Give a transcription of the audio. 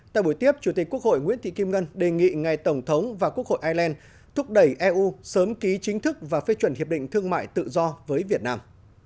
tại buổi tiếp chủ tịch quốc hội nguyễn thị kim ngân đề nghị ngài tổng thống và quốc hội ireland thúc đẩy eu sớm ký chính thức và phê chuẩn hiệp định thương mại tự do với việt nam